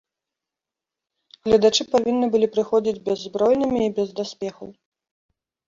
Гледачы павінны былі прыходзіць бяззбройнымі і без даспехаў.